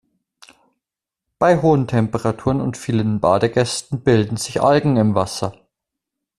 Bei hohen Temperaturen und vielen Badegästen bilden sich Algen im Wasser.